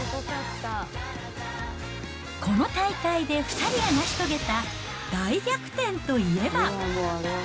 この大会で２人が成し遂げた大逆転といえば。